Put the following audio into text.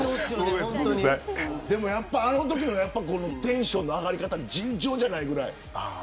あのときのテンションの上がり方、尋常じゃないぐらい。